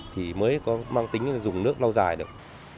thì mới có mang tính dùng nước lâu dài được